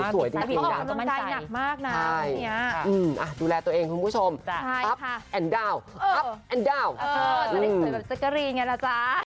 สวยสวยแบบเจ็กกะรีย์อย่างนั้นอาจ้า